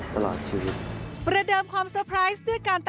ตลอดชีวิต